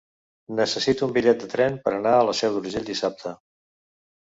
Necessito un bitllet de tren per anar a la Seu d'Urgell dissabte.